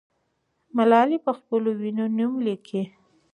ملالۍ پخپلو وینو نوم لیکي.